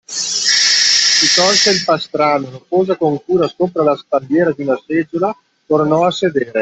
Si tolse il pastrano, lo pose con cura sopra la spalliera di una seggiola, tornò a sedere.